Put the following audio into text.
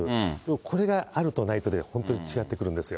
これがあるとないとで、本当に違ってくるんですよ。